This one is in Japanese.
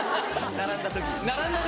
並んだ時？